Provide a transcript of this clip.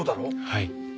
はい。